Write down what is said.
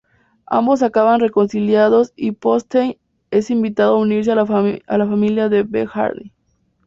Ambos acaban reconciliados y Þorsteinn es invitado a unirse a la familia de Bjarni.